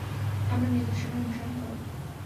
আমার নির্দেশনা অনুসরণ করো।